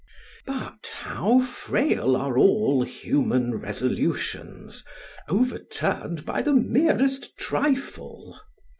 But how frail are all human resolutions overturned by the merest trifle!